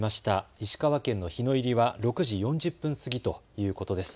石川県の日の入りは６時４０分過ぎということです。